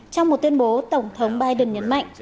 trong một tuyên bố tổng thống biden nhấn mạnh